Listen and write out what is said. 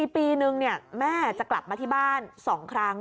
ปีนึงแม่จะกลับมาที่บ้าน๒ครั้ง